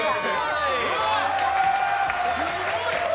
すごい！